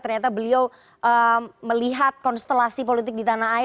ternyata beliau melihat konstelasi politik di tanah air